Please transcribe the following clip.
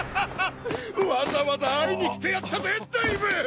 わざわざ会いに来てやったぜデイヴ！